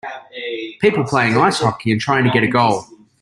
People playing ice hockey and trying to get a goal.